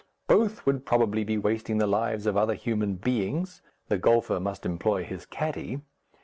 Both would probably be wasting the lives of other human beings the golfer must employ his caddie.